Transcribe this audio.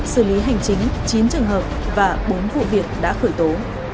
xử lý hành chính chín trường hợp và bốn vụ việc đã khởi tố